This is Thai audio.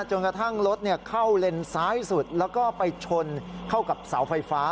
จนกระทั่งรถเข้าเลนซ้ายสุดแล้วก็ไปชนเข้ากับเสาไฟฟ้า